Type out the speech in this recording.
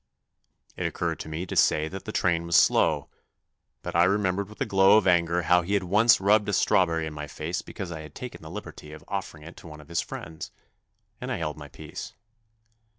It occurred to me to say that the train was slow, but I remembered with a glow of anger how he had once rubbed a strawberry in my face because I had taken the liberty of offering it to one of his friends, and I held my peace.